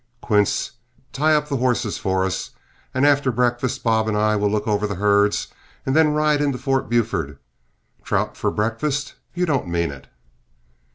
Quince, tie up the horses for us, and after breakfast Bob and I will look over the herds and then ride into Fort Buford. Trout for breakfast? You don't mean it!"